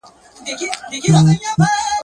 مندوشاه به کاڼه واچول غوږونه.